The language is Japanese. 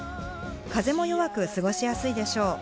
風も弱く過ごしやすいでしょう。